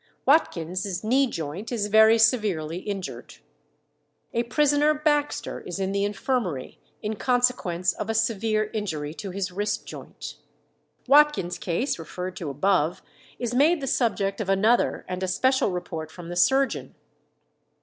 "Watkins' knee joint is very severely injured." "A prisoner Baxter is in the infirmary in consequence of a severe injury to his wrist joint." Watkins' case, referred to above, is made the subject of another and a special report from the surgeon.